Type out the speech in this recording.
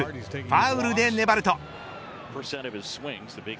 ファウルで粘ると。